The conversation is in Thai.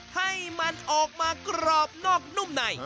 ให้มันออกมากรอบนอกนุ่มใน